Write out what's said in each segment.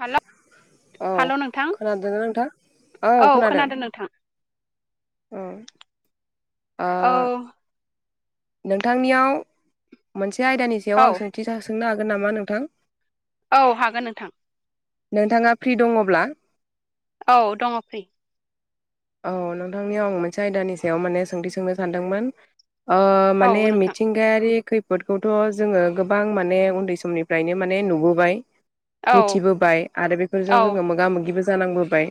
हेल' औ हेल' नोंथां खोनादोना नोंथां औ खोनादों अ औ नोंथांनियाव मोनसे आयदानि सायाव आं औ सोंथि सोंनो हागोन नामा नोंथां औ हागोन नोंथां नोंथाङा फ्रि दङब्ला औ दङ फ्रि औ नोंथांनियाव आं मोनसे आयदानि सायाव माने सोंथि सोंनो सानदोंमोन ओ औ माने नोंथां मिथिं गायारि खैफोदखौथ जोङो गोबां माने उन्दै समनिफ्रायनो माने नुबोबाय औ मिथिबोबाय आरो बेफोरजों औ जोङो मोगा मोगिबो जानांबोबाय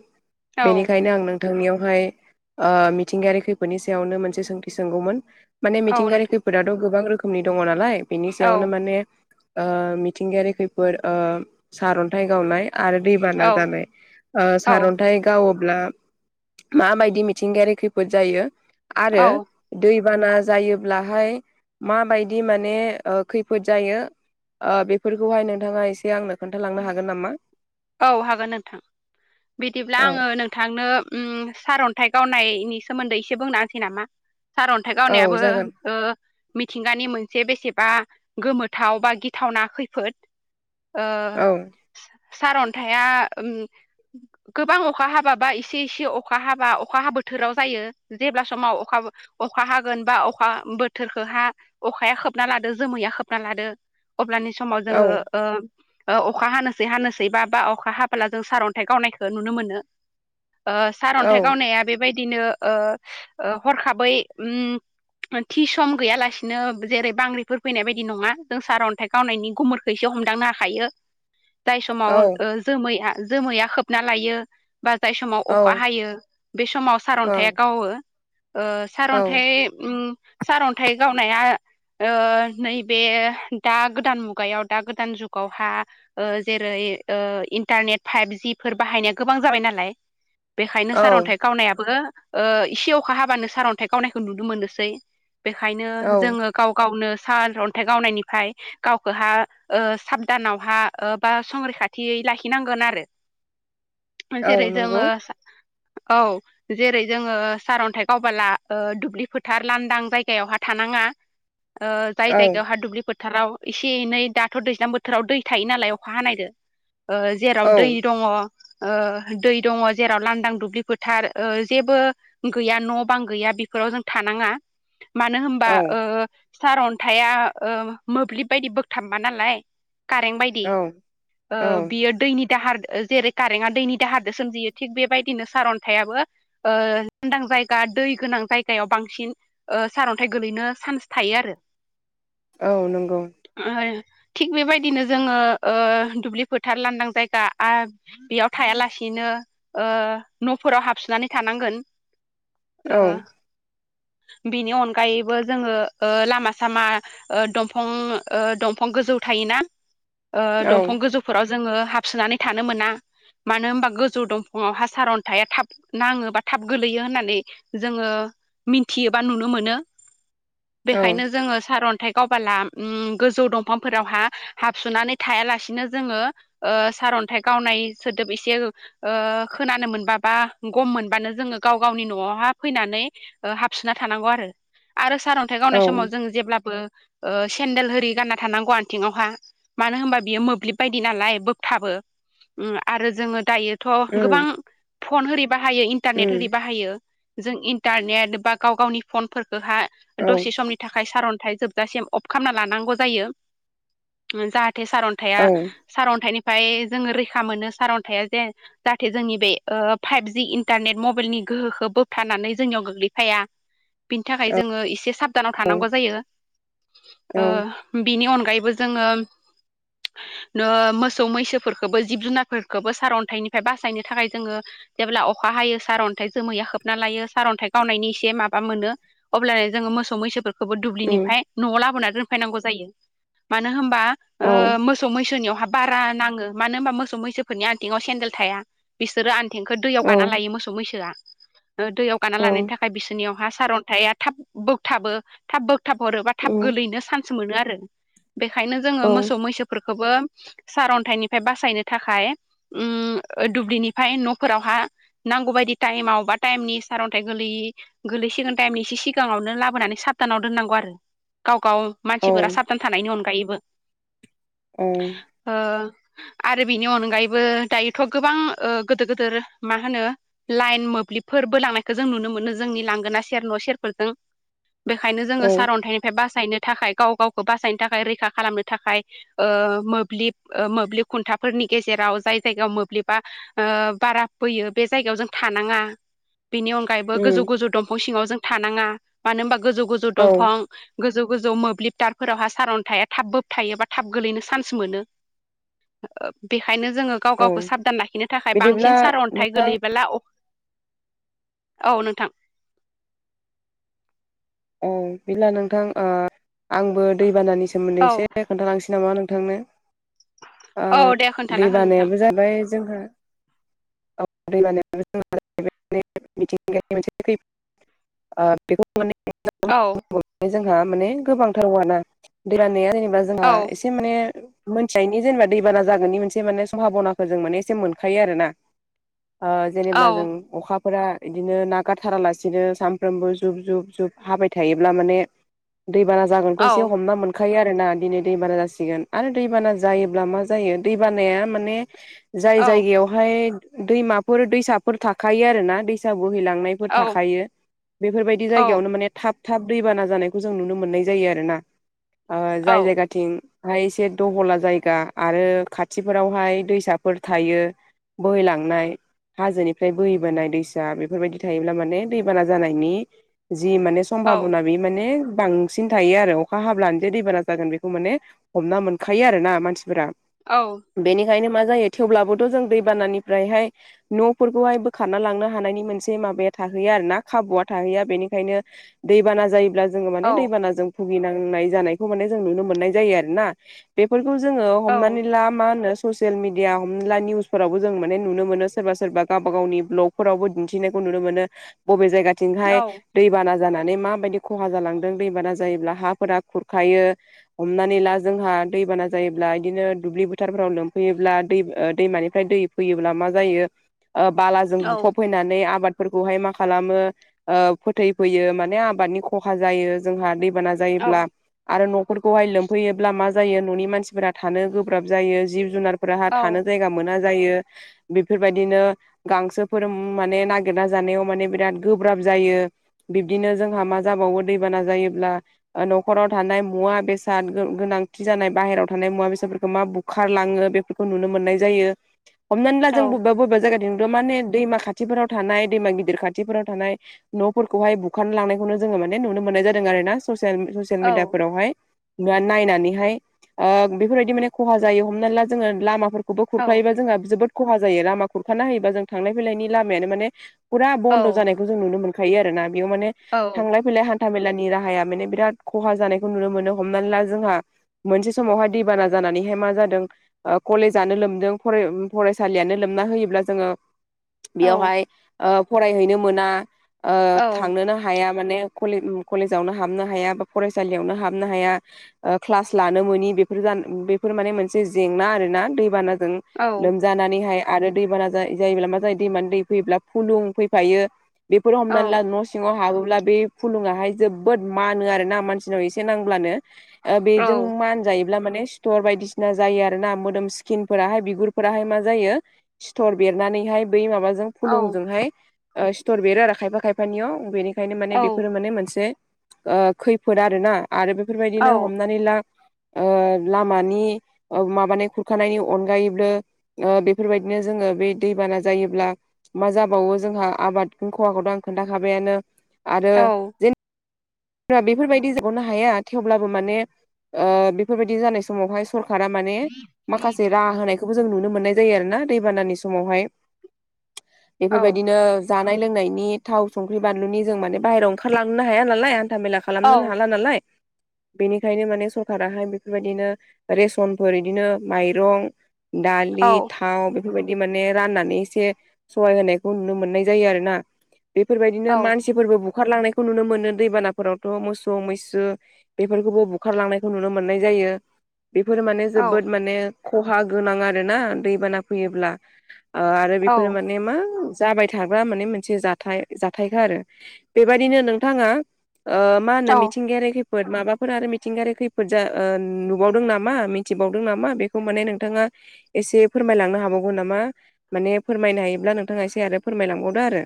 औ बेनिखायनो आं नों थांनियावहाय मिथिंगायारि खैफोदनि सायावनो मोनसे सोंथि सोंगौमोन माने औ मिथिंगायारि नोंथां खैफोदथ गोबां रोखोमनि दङ नालाय बिनि औ सायावनो माने ओ मिथिंगायारि खैफोद ओ सारन्थाइ गावनाय आरो दैबाना औ जानाय ओ औ सारन्थाइ गावोब्ला माबायदि मिथिंगायारि खैफोद जायो आरो दैबाना जायोब्लाहाय माबायदि माने ओ खैफोद जायो ओ बेफोरखौहाय नोंथाङा एसे आंनो खोन्थालांनो हागोन नामा औ हागोन नोंथां बिदिब्ला औ आङो नोंथांनो उम सारअन्थाइ गावनायनि सोमोन्दै एसे बुंनाहोनोसै नामा सारअन्थाइ औ गावनायाबो जागोन ओ मिथिंगानि मोनसे बेसेबा गोमोथाव बा गिथावना खैफोद ओ औ सारअन्थाया उम गोबां अखा हाबाबा एसे एसे अखा हाबा अखा बोथोराव जायो जेब्ला समाव अखा बो अखा हागोन बा अखा बोथोरखौ हा अखाया खोबना लादो जोमैया खोबना लादो अब्लानि समाव जोङो ओ अखा हानोसै हानोसै बा बा अखा हाबोला जों सारअन्थाइ गावनायखौ नुनो मोनो ओ औ सारअन्थाइ गावनाया बे बायदिनो ओ ओ हरखाबै उम थि सम गैयालासिनो जेरै बांग्रिफोर फैनाय बायदि नङा जों सारअन्थाइ गावनायनि गुमुरखो एसे हमदांनो हाखायो जाय औ समाव जोमैया जोमैया खोबना लायो बारदाय समाव औ अखा हायो बे समाव औ सारन्थाया गावो ओ औ सारअन्थाइ उम सारअन्थाइ गावनाया ओ नैबे दा गोदान मुगायाव दा गोदान जुगावहा ओ जेरै ओ इन्टारनेट फाइभजिफोर बाहायनाया गोबां जाबाय नालाय बेखायनो औ सारअन्थाइ गावनायाबो ओ इसे अखा हाबानो सारअन्थाइ गावनायखौ नुनो मोननोसै बेखायनो औ जोङो गाव गावनो सार अन्थाइ गावनायनिफ्राय गावखौहा ओ साबधानावहा ओ बा संरैखाथियै लाखिनांगोन आरो औ जेरै नंगौ जोङो औ जेरै जोङो सारअन्थाइ गावबोला ओ दुब्लि फोथार लांदां जायगायावहा थानाङा ओ औ जाय जायगायावहा दुब्लि फोथाराव एसे एनै दाथ' दैज्लां बोथोराव दै थायो नालाय अखा हानायदो जेराव औ दै दङ ओ दै दङ जेराव लांदां दुब्लि फोथार ओ जेबो गैया न' बां गैया बेफोराव जों थानाङा मानो होनबा औ ओ सार अन्थाया ओ मोब्लिब बायदि बोगथाबा नालाय कारेन्ट बायदि ओ औ बियो दैनि दाहार जेरै कारेन्टआ दैनि दाहारजों सोमजियो थिग बेबायदिनो सारअन्थायाबो ओ लांदां जायगा दै गोनां जायगायाव बांसिन ओ सारअन्थाइ गोलैनो सान्स थायो आरो औ नंगौ थिग बेबायदिनो जोङो ओ दुब्लि फोथार लांदां जायगा आ बेयाव थायालासेनो ओ न'फोराव हाबसोननानै थानांगोन औ ओ बिनि अनगायैबो जोङो ओ लामा सामा ओ दंफां ओ दंफां गोजौ थायोना ओ औ दंफां गोजौफोराव जोङो हाबसोनानै थानो मोना मानो होनबा गोजौ दंफाङावहा सारअन्थाया थाब नाङो बा थाब गोलैयो होननानै जोङो मिथियोबा नुनो मोनो औ बेखायनो जोङो सारअन्थाइ गावबाला उम गोजौ दंफांफोरावहा हाबसुनानै थायालासिनो जोङो ओ सारअन्थाइ गावनाय सोदोब एसे ओ खोनानो मोनबा बा गम मोनबानो जोङो गाव गावनि न'आवहा फैनानै ओ हाबसोना थानांगौ आरो आरो सारअन न्थाइ औ गावनाय समाव जों जेब्लाबो ओ सेन्देल होरि गानना थानांगौ आथिङावहा मानो होनबा बियो मोब्लिब बायदि नालाय बोगथाबो उम आरो जोङो दायो थ' गोबां उम फन होरि बाहायो इन्टारनेट होरि उम बाहायो जों इन्टारनेट बा गाव गावनि फनफोरखौ हा औ दसे समनि थाखाय सारअन्थाइ जोबजासिम अफ खालामना लानांगौ जायो जाहाथे सारअन्थ औ थाया सारअन्थाइनिफ्राय जोङो रैखा मोनो सारअन्थाया जे जाहाथे जोंनि बे ओ फाइभ जि इन्टारनेट मबाइलनि गोहोखौ बोबथानानै जोंनियाव गोग्लैफाया बिनि थाखाय जोङो एसे साबधानाव उम थानांगौ जायो औ ओ बिनि अनगायैबो जोङो नो मोसौ मैसोफोरखौबो जिब जुनारफोरखौबो सारअन्थाइनिफ्राय बासायनो थाखाय जोङो जेब्ला अखा हायो सारअन्थाइ जोमैया खोबना लायो सारअन्थाइ गावनायनि इसे माबा मोनो अब्लानो जोङो मोसौ मैसोफोर खौबो उम औ दुब्लिनिफ्राय न'आव लाबोनानै दोनफैनांगौ जायो मानो होनबा ओ औ औ मोस सौ मैसोनियावहा बारा नाङो मानो होनबा मोसौ मैसोफोरनि आनथिंआव सेन्देल थाया बिसोरो थेंखो दैयाव गाना लायो मोसौ मैसोआ दैयाव गाना लानायनि था खाय बिसोरनियावहा सारअन्थाया थाब बोगथाबो थाब बोगथाब हरोबा थाब गोरलैनो सान मोनो आरो बेखायनो जोङो मोसौ मैसोफोरखौबो सारअन्थाइनिफ्राय बासायनो थाखाय उम दुब्लिनिफ्राय न'फोरावहा नांगौ बायदि टाइमाव बा टाइमनि सारअन्थाइ गोलैयै गोलै सिगोन टाइमनि एसे सिगाङावनो लाबोनानै सबदानाव दोननांगौ आरो गाव गाव मानसिफोरा औ साबधान थानायनि अनगायैबो औ ओ आरो बिनि अनगायैबो दायोथ' गोबां ओ गिदिर गिदिर मा होनो लाइन मोब्लिबफोरबो लांनायखौ जों नुनो मोनो जोंनि लांगोना सेर न' सेरफोरजों बेखायनो जोङो उम सारअन्थाइनिफ्राय बासायनो थाखाय गाव गावखौ बासायनो थाखाय रैखा खालामनो थाखाय ओ मोब्लिब ओ मोब्लिब खुन्थाफोरनि गेजेराव जाय जायगायाव मोब्लिबा ओ बारा फैयो बे जायगायाव जों थानाङा बेनि अनगा गायैबो गोजौ गोजौ दंफां सिङाव जों थानाङा मानो होनबा गोजौ गोजौ औ दंफां गोजौ गोजौ मोब्लिबदारफोरावहा सारन्थाया थाब बो थायोबा थाब गोलैनो चान्स मोनो बेखायनो जोङो गाव औ गावखौ साबधान लाखिनो थाखाय बिदिब्ला बांसिन सार अन्थाइ नोंथां गोलैयोबोला औ नोंथां औ बिदिला नोंथां ओ आंबो दैबानानि सोमोन्दै औ एसे खोन्थालांसै नामा नोंथांनो ओ औ दे खोन्थाना दै हो नोंथां बानायाबो जाबाय जोंहा [unintelligible] ओ बेखौ माने औ [unintelligible] जोंहा माने गोबांथाराना दैबानाया जेनेबा जोंहा औ एसे [unintelligible] दि माने मोनथिनायनि जेनेबा दैबाना जागोननि मोनसे माने सम्भाबनाखौ जों माने एसे मोनखायो आरो ना ओ जेनेब्ला जों औ अखाफोरा बिदिनो नागाराथारालासिनो सानफ्रामबो जुब जुब जुब हाबाय थायोब्ला माने दैबाना जागोनखौ औ एसे हमना मोन खायो आरोना दिनै दैबाना जासिगोन आरो दैबाना जायोब्ला मा जायो दैबानाया माने जाय औ जायगायावहाय दैमाफोर दैसाफोर थाखायो आरो ना दैसा बोहैलांनायफोर औ थाखायो बेफोरबायदि औ जायगायावनो माने थाब थाब दैबाना जानायखौ जों नुनो मोननाय जायो आरोना औ जाय जायगाथिं हाय एसे दहला जायगा आरो खाथिफोरावहाय दैसाफोर थायो बोहैलांनाय हाजोनिफ्राय बोहैबोनाय दैसा बेफोरबायदि थायोब्ला माने दैबाना जानायनि जि माने औ सम्भाबना बे माने बांसिन थायो आरो अखा हाब्लानो जे दैबाना जागोन बेखौ माने हमना मोनखायो आरो ना मानसिफोरा औ बेनिखायनो मा जायो थेवब्लाबोथ' जों दैबानानिफ्रायहाय न'फोरखौहाय बोखारना लांनो हानायनि मोनसे माबाया थाहैया आरो ना खाबुआ थाहैया बेनिखायनो दैबाना जायोब्ला जोङो औ माने दैबानाज जों भुगिनांनाय जानायखौ माने जों नुनो मोननाय जायो आरो ना बेफोरखौ जोङो औ हमनानै ला मा होनो ससियेल मिडिया हमला निउसफोराव जों माने नुनो मोनो सोरबा सोरबा गावबा गावनि भ्ल'ग फोरावबो दिन्थिनायखौ नुनो मोनो बबे औ जायगाथिंहाय औ दै बाना जानानै माबायदि खहा जालांदों दैबाना जायोब्ला हाफोरा खुरखायो हमनानै ला जोंहा दैबाना जायोब्ला बिदिनो दुब्लि बोथारफोराव लोमफैयोब्ला दै दैमानिफ्राय दै फैयोब्ला मा जायो बालाजों औ बुफब फैनानै आबादफोरखौहाय मा खालामो फोथै फैयो माने आबादनि खहा जायो जोंहा दैबाना औ औ जायोब्ला आरो न'फोरखौहाय लोमफैयोब्ला मा जायो न'नि मानसिफोरा थानो गोब्राब जायो जिब जुनार फोर थानो जायगा मोना जायो बेफोरबायदिनो गांसोफोर माने नागिरना जानायाव माने बिराद गोब्राब जायो बिब्दिनो जोंहा मा जाबावो दैबाना जायोब्ला न'खराव थानाय मुवा बेसाद गोनांथि जानाय बाहेरायाव थानाय मुवा बेसादफोरखौ मा बु बुखार लाङो बेफोरखौ नुनो मोननाय जायो [inaudible] हमनानै ला जों बबेबा बबेबा जायगाथिंथ माने दैमा खाथिफोराव थानाय दैमा गिदिर खाथिफोराव थानाय न' फोरखौहाय बुखारनानै लांनायखौनो जोङो माने नुनो मोननाय जादों आरोोना स ससियेल मिडिया फोरावहाय नायनानैहाय बेफोरबायदि माने खहा जायो हमना ला जोङो लामाफोरखौ बेबो खुरखायोब जोंहा जोबोद खहा जायो लामा खुरखानो हायोबा जों थांलाय फैलायनि लामायानो माने फुरा बन्द' जानायखौ जों नुनो मोनखायो आरो ना बेयाव माने थांलाय फैलाय ह हान्थाामेलानि राहाया माने बिराद खहा जानायखौ नुनो मोनो हमनानै ला जोंहा मोनसे समावहाय दैबाना जानानैहाय मा जादों कलेजनो लोमदों फरायसालियानो लोमना होयोब्ला जोङो बेयावहाय फरायहैनो मोना थांनोनो हाया माने कलेजावनो हाबनो हाया बा फरायसालियावनो हाबनो हाया क्लास लानो मोनि बेफोर बेफोर माने मोनसे जेंना आरो ना दैबानाजों लोमजानानैहाय आरो दैबाना जायोब्ला मा जायो दैमानि दै फैयोब्ला फुलुं फैफायो बेफोर हमनानै ला सिङाव हाबोब्ला बे फुलुङाहाय जोबोद मानो आरो ना मानसिनाव एसे नांब्लानो औ बेजों मान जायोब्ला माने सटर बायदिसिना जायो आरो ना मोदोम स्किनफोराहाय बिगुरफोराहाय मा जायो सिथर बेरनानैहाय बै माबाजों औ फुलुंजोंहाय सिथर बेरो आरो खायफा खायफानियाव बेनिखायनो माने बेफोरो माने मोनसे खैफोद आरो ना आरो बेफोरबायदिनो हमनानै ला लामानि माबानाय खुरखानायनि अनगायैबो बेफोरबायदिनो जोंङो बे दैबाना जायोब्ला मा जाबावो जोंहा आबाद खवाखौथ' आं खोन्थाखाबायानो आरो बेफोरबायदि जोबगावनो हाया थेवब्लाबो माने बेफोरबायदि जानाय समावहाय सरखारा माने माखासे राहा होनायखौ खौ जों नुनो मोननाय जायो आरोोना दैबानानि समावहाय बेफोरबायदिनो जानाय लोंनायनि थाव संख्रि बानलुनि जों मान बायेरायाव ओंखारलांनो हाया नालाय हथ मेला खालामनोनो हाला नालाय बेनिखायनो माने सरखाराहाय बेफोरबायदिनो रेसनफोर बिदिनो माइरं दालि थाव बेफोरबायदि माने राननानै एसे सहाय होनायखौ नुनो मोननाय जायो आरो ना बेफोरबायदिनो मानसिफोरबो बुखारलांनायखौ नुनो मोनो दैबाना फोरावथ' मोसौ मैसु बेफोरखौबो बुखारलांनायखौ नुनो मोननाय जायो बेफोरो माने जोबोद माने खहा गोनां आरोना दैबाना फैयोब्ला आरो बेफोरो माने मा जाबाय थाग्रा माने मोनसे जाथाय जाथायखा आरो बेबायदिनो नोंथांङा मा होनो मिथिंगायारि खैफोद माबाफोर आरो मिथिंगायारि खैफोद जा नुबावदों नामा मिथिबावदों नामा बेखौ माने नोंथांङा एसे फोरमायलांनो हाबावगौ नामा माने फोरमायनो हायोब्ला नोंथांङा एसे आरो फोरमायलांबावदो आरो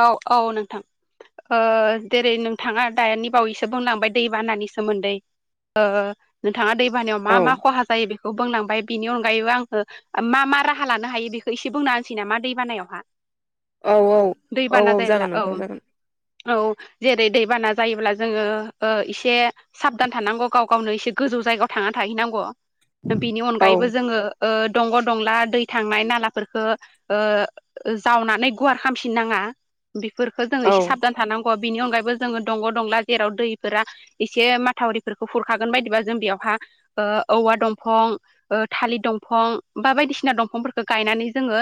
औ औ नोंथां जेरै नोंथाङा दानि बावैसो बुंलांबाय दैबानानि सोमोन्दै नोंथांङा दैबानायाव मा औ मा खहा जायो बेखौ बुंलांबाय बिनि अनगायैबो आंङो मा मा राहा लानो हायो बेखौ एसे बुंना होनसै नामा दै बानायावहा औ औ औ औ जागोन नोंथां जागोन औ जेरै दैबाना जायोब्ला जोंङो इसे साबधान थानांगौ गाव गावनो एसे गोजौ जायगायाव थांनानै थाहैनांगौ बिनि औ अनगायैबो जोंङो दंग' दंला दै थांनाय नालाफोरखौ जावनानै गुवार खालामाम थिननाङा बेफोरखौ जोङो औ एसे साबधान थानांगौ बिनि अनगायैबो जोंङो दंग' दंला जेराव दैफोरा एसे माथावरिफोरखौ खुरखागोन बायदिबा जों बेयावहा औवा दंफं ओ थालिर दंफं बा बायदिसिना दंफंफोरखौ गायनानै जोङो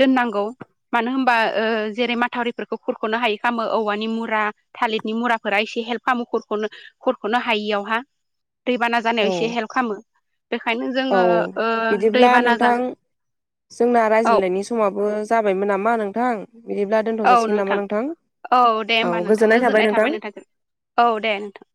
दोननांगौ मानो होनबा ओ जेरै माथावरिफोरखौ खुरख'नो हायि खामो औवानि मुरा थालिरनि मुराफोरा एसे हेल्प खालामो खुरखनो खरख'नो हायियावहा दैबाना जानायाव औ एसे हेल्प खालामो बेखायनो जोङो औ ओ दै बिदिब्ला बाना जा नोंथां जोंना औ रायज्लायनायनि समाबो जाबायमोन नामा नोंथां बिदिब्ला दोनथ' औ जासिगोन नामा नोंथां औ दे होमबा नोंथां गोजोननाय थाबाय नोंथां औ दे नोंथां